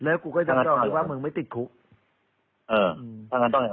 เพราะว่าตอนแรกมีการพูดถึงนิติกรคือฝ่ายกฎหมาย